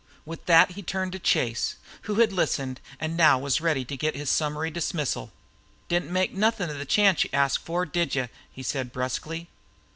With that he turned to Chase, who had listened and now was ready to get his summary dismissal. "Didn't make nothin' of the chance you asked for, did you?" he said, brusquely.